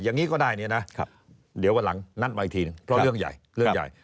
อย่างนี้ก็ได้เนี่ยนะเดี๋ยววันหลังนัดมาอีกทีหนึ่งเพราะเรื่องใหญ่เรื่องใหญ่